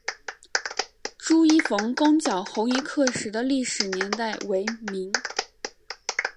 朱一冯攻剿红夷刻石的历史年代为明。